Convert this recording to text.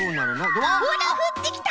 ほらふってきた！